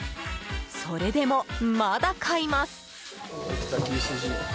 それでもまだ買います。